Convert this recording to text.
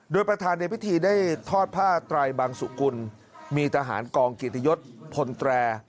โดยประธานในพิธีได้ทอดผ้าไตรบังสุกุลมีทหารกองเกียรติยศพลแตร